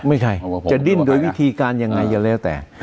ไม่ใช่จะดิ้นโดยวิธีการยังไงก็แล้วแต่